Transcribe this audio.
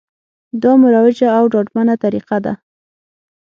دا مروجه او ډاډمنه طریقه ده